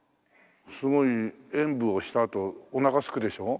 すごい演舞をしたあとおなかすくでしょ？